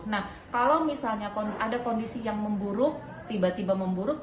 nah kalau misalnya ada kondisi yang memburuk tiba tiba memburuk